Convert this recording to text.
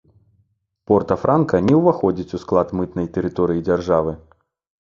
Порта-франка не ўваходзіць у склад мытнай тэрыторыі дзяржавы.